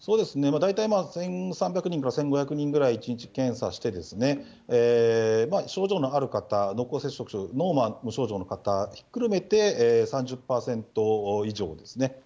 大体１３００人から１５００人ぐらい、１日検査してですね、症状のある方、濃厚接触の無症状の方ひっくるめて３０％以上ですね。